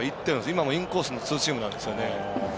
今もインコースのツーシームなんです。